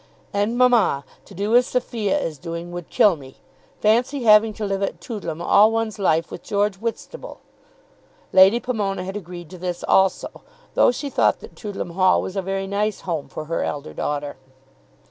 "And, mamma, to do as Sophia is doing would kill me. Fancy having to live at Toodlam all one's life with George Whitstable!" Lady Pomona had agreed to this also, though she thought that Toodlam Hall was a very nice home for her elder daughter.